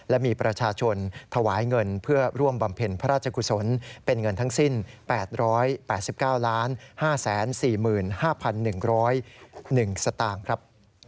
และมีประชาชนถวายเงินเพื่อร่วมบำเพ็ญพระราชกุศลเป็นเงินทั้งสิ้น๘๘๙๕๔๕๑๐๑สตางค์ครับ